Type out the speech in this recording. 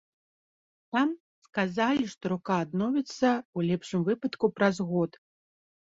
Там сказалі, што рука адновіцца ў лепшым выпадку праз год.